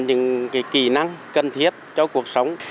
cái kỹ năng cần thiết cho cuộc sống